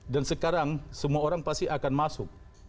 dan sekarang semua orang pasti akan masuk